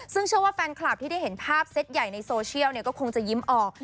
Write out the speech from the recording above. ซึ่งเชื่อว่าแฟนคลับที่ได้เห็นภาพเซ็ตใหญ่ในโซเชียลก็คงจะยิ้มออก